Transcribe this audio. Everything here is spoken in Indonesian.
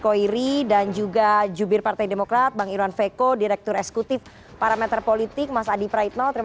koiri dan juga jubir partai demokrat bang irwan veko direktur eksekutif parameter politik mas adi praitno